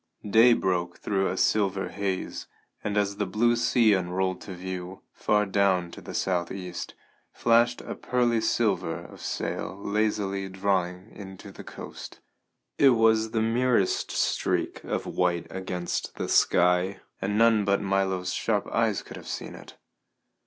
Day broke through a silver haze, and as the blue sea unrolled to view, far down to the southeast, flashed a pearly sliver of sail lazily drawing in to the coast. It was the merest streak of white against the sky, and none but Milo's sharp eyes could have seen it.